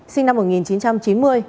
sinh năm một nghìn chín trăm chín mươi